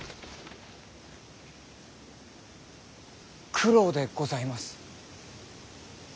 九郎でございます。